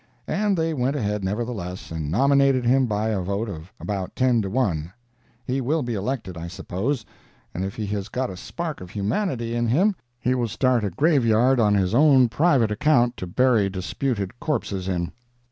And they went ahead, nevertheless, and nominated him by a vote of about ten to one. He will be elected, I suppose, and if he has got a spark of humanity in him he will start a graveyard on his own private account to bury disputed corpses in.